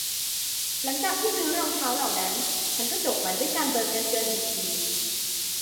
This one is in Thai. หลังจากที่ซื้อรองเท้าเหล่านั้น ฉันก็จบมันด้วยการเบิกเงินเกินบัญชี